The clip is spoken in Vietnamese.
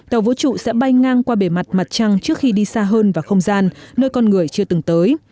tàu vũ trụ sẽ bay ngang qua bề mặt mặt trăng trước khi đi xa hơn vào không gian nơi con người chưa từng tới